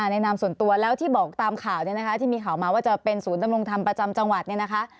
ในนามส่วนตัวแล้วที่บอกตามข่าวเนี่ยนะคะที่มีข่าวมาว่าจะเป็นศูนย์ดำรงธรรมประจำจังหวัดเนี่ยนะคะ